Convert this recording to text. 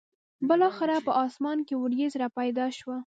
بالاخره به په اسمان کې ورېځ را پیدا شوه.